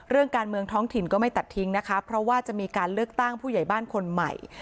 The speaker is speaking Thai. เรื่องการเมืองท้องถิ่นก็ไม่ตัดทิ้งนะคะเพราะว่าจะมีการเลือกตั้งผู้ใหญ่บ้านคนใหม่